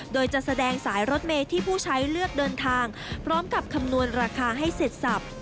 โดยจะแสดงสายรถเมย์ที่ผู้ใช้เลือกเดินทางพร้อมกับคำนวณราคาให้เสร็จสับ